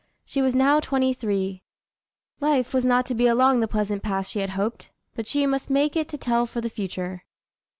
She was now twenty three. Life was not to be along the pleasant paths she had hoped, but she must make it tell for the future.